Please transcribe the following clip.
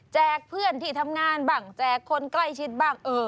เพื่อนที่ทำงานบ้างแจกคนใกล้ชิดบ้าง